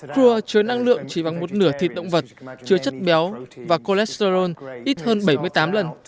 cua chứa năng lượng chỉ bằng một nửa thịt động vật chứa chất béo và cholesterol ít hơn bảy mươi tám lần